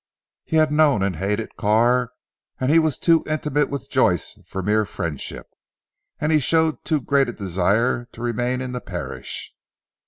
He had known and hated Carr; he was far too intimate with Joyce for mere friendship, and he showed too great a desire to remain in the parish.